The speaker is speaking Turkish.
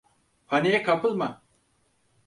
Paniğe kapılma.